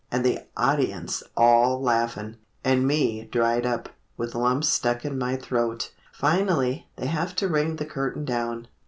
And the audience all laughin', And me dried up, with lumps stuck in my throat.... Finally, they have to ring the curtain down.